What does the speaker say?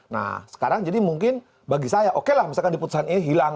nah sekarang jadi mungkin bagi saya okelah misalkan di putusan ini hilang